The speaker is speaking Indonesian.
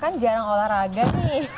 kan jarang olahraga nih